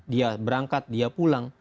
dia berangkat dia pulang